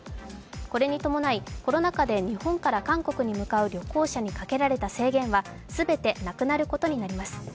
これに伴い、コロナ禍で日本から韓国に向かう旅行者にかけられた制限は全てなくなることになります。